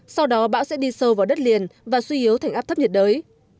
sau đó bão sẽ đi sâu vào đất liền và suy yếu thành áp thấp nhiệt đới